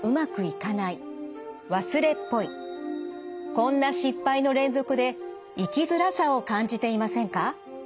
こんな失敗の連続で生きづらさを感じていませんか？